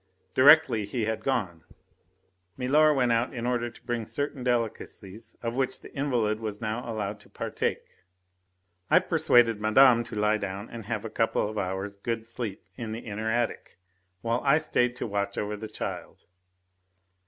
Directly he had gone, milor went out in order to bring in certain delicacies of which the invalid was now allowed to partake. I persuaded Madame to lie down and have a couple of hours' good sleep in the inner attic, while I stayed to watch over the child.